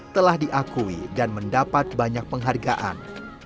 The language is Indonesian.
telah diakui dan mendapat banyak penghargaan